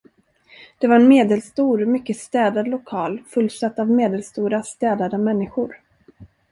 Det var en medelstor, mycket städad lokal, fullsatt av medelstora, städade människor.